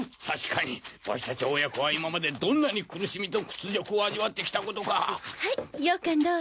確かにわし達親子は今までどんなに苦しみと屈辱を味わってきたことかはいようかん